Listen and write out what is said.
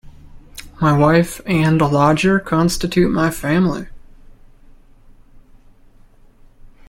My wife and a lodger constitute my family.